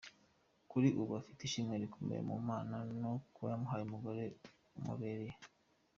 Kuri ubu afite ishimwe rikomeye ku Mana kuko imuhaye umugore umubereye.